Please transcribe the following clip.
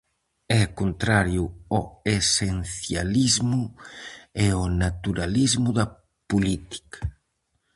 É contrario ao esencialismo e ao naturalismo da política.